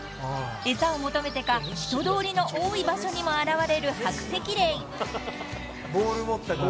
［餌を求めてか人通りの多い場所にも現れるハクセキレイ］